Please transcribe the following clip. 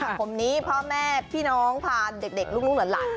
วันหลังคมนี้พ่อแม่พี่น้องพาเด็กลูกหรอหล่ะ